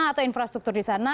atau infrastruktur di sana